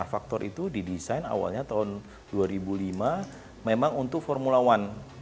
faktor itu didesain awalnya tahun dua ribu lima memang untuk formula one